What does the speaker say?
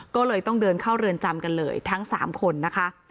ก็เลยต้องเดินเข้าเรือนจำกันเลยทั้ง๓คนนะคะ